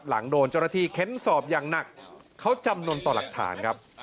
หลังโดนเจ้าหน้าที่เค้นสอบอย่างหนักเขาจำนวนต่อหลักฐานครับ